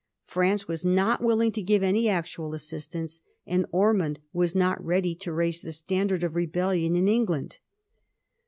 France was not willing to give any actual assistance, and Ormond was not ready to raise the standard of rebellion in England.